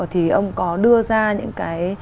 thì ông có đưa ra những cái